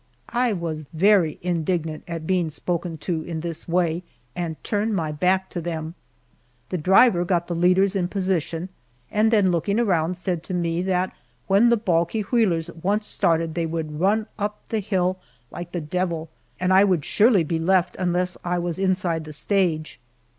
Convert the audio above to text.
I was very indignant at being spoken to in this way and turned my back to them. The driver got the leaders in position, and then looking around, said to me that when the balky wheelers once started they would run up the hill "like the devil," and I would surely be left unless I was inside the stage.